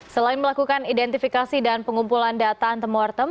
selain melakukan identifikasi dan pengumpulan data antemortem